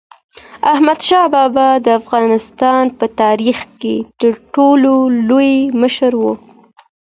احمدشاه بابا د افغانستان په تاریخ کې تر ټولو لوی مشر و.